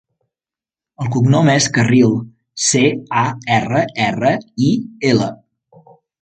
El cognom és Carril: ce, a, erra, erra, i, ela.